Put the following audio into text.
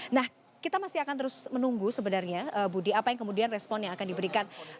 nah kita masih akan terus menunggu sebenarnya budi apa yang kemudian respon yang akan diberikan